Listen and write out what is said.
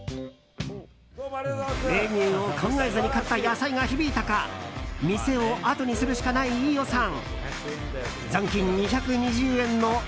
メニューを考えずに買った野菜が響いたか店をあとにするしかない飯尾さん。